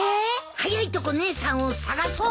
早いとこ姉さんを捜そう！